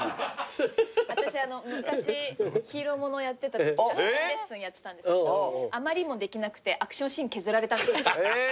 私昔ヒーローものやってたときこのレッスンやってたんですけどあまりにもできなくてアクションシーン削られたんですよ。